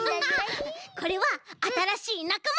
これはあたらしいなかま。